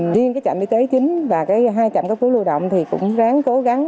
riêng cái trạm y tế chính và cái hai trạm cấp cứu lưu động thì cũng ráng cố gắng